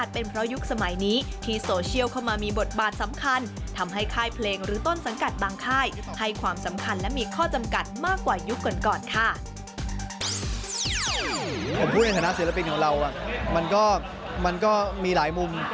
ผมพูดในฐานะศิลปินของเรามันก็มีหลายมุม